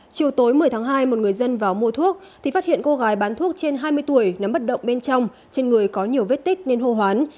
chiều tối một mươi tháng hai một người dân vào mua thuốc thì phát hiện cô gái bán thuốc trên hai mươi tuổi nấm bất động bên trong trên người có nhiều vết tích nên hô hoán